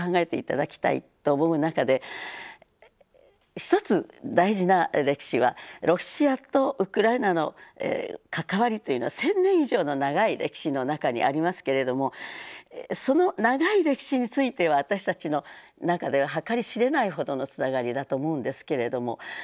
ただきたいと思う中で一つ大事な歴史はロシアとウクライナの関わりというのは１，０００年以上の長い歴史の中にありますけれどもその長い歴史については私たちの中では計り知れないほどのつながりだと思うんですけれども。